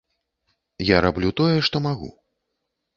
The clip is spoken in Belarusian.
Я раблю тое, што магу.